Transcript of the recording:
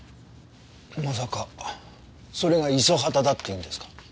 まさかそれが五十畑だっていうんですか？